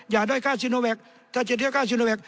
อย่าด้อยฆ่าซิโนแวคถ้าจะด้วยฆ่าซิโนแวค